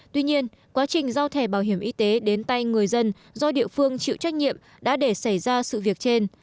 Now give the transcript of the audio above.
tuy nhiên quá trình giao thẻ bảo hiểm y tế đến tay người dân do địa phương chịu trách nhiệm đã để xảy ra sự việc trên